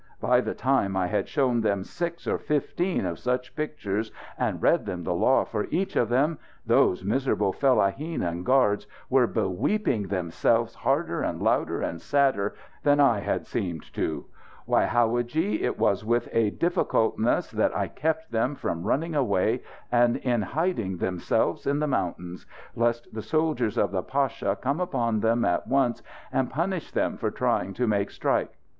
By the time I had shown them six or fifteen of such pictures and read them the law for each of them, those miserable fellaheen and guards were beweeping themselfs harder and louder and sadder than I had seemed to. Why, howadji, it was with a difficultness that I kept them from running away and enhiding themselfs in the mountains, lest the soldiers of the pasha come upon them at once and punish them for trying to make strike!